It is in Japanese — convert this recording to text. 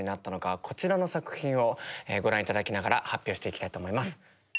こちらの作品をご覧頂きながら発表していきたいと思います。